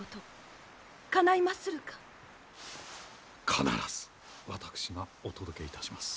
必ず私がお届けいたします。